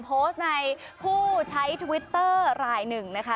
โพสต์ในผู้ใช้ทวิตเตอร์รายหนึ่งนะคะ